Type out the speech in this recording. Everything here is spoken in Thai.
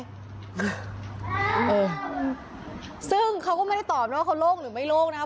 เออซึ่งเขาก็ไม่ได้ตอบนะว่าเขาโล่งหรือไม่โล่งนะครับ